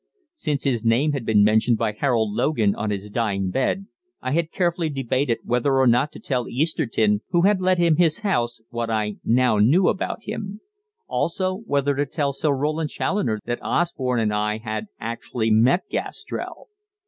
Since his name had been mentioned by Harold Logan on his dying bed, I had carefully debated whether or not to tell Easterton, who had let him his house, what I now knew about him; also whether to tell Sir Roland Challoner that Osborne and I had actually met Gastrell.